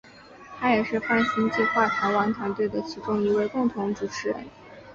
他也是泛星计画台湾团队的其中一位共同主持人。